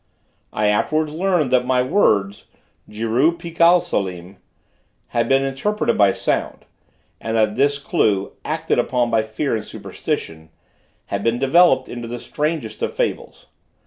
I afterwards learnt that my words, Jeru pikal salim, had been interpreted by sound, and that this clew, acted upon by fear and superstition, had been developed into the strangest of fables.